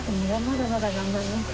まだまだ頑張ります